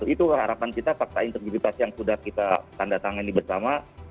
itu harapan kita fakta integritas yang sudah kita tanda tangani bersama